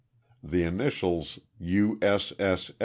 The initials "U. S. S.